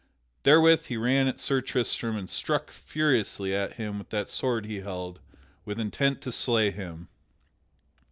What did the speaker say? Therewith he ran at Sir Tristram and struck furiously at him with that sword he held, with intent to slay him.